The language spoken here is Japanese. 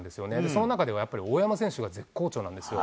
その中ではやっぱり大山選手が絶好調なんですよ。